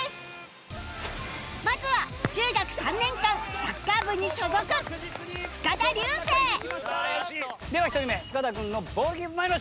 まずは中学３年間サッカー部に所属深田竜生では１人目深田君のボールキープ参りましょう。